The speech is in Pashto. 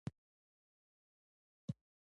استبدادي نظامونه یې جوړ کړي وو.